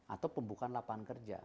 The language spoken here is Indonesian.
atau pembukaan lapangan kerja